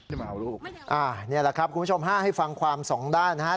นี่แหละครับคุณผู้ชม๕ให้ฟังความ๒ด้านนะครับ